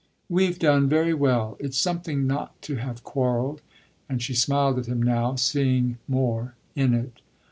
"We've done very well: it's something not to have quarrelled" and she smiled at him now, seeming more "in" it.